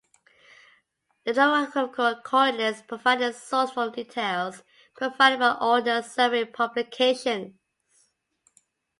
The geographical co-ordinates provided are sourced from details provided by Ordnance Survey publications.